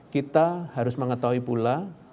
kita harus mengetahui pula